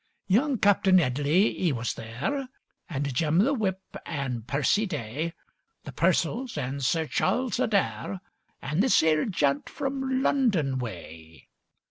Young Captain 'Eadley, 'e was there, And Jim the whip an' Percy Day; The Purcells an' Sir Charles Adair, An' this 'ere gent from London way.